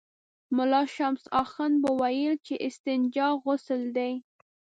ملا شمس اخند به ویل چې استنجا غسل دی.